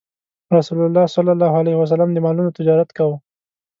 رسول الله ﷺ د مالونو تجارت کاوه.